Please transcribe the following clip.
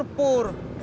masya allah pur